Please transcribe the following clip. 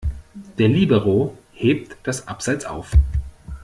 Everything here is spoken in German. Der Libero hebt das Abseits auf.